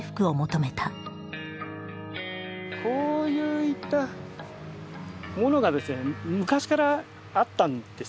こういったものがですね昔からあったんです。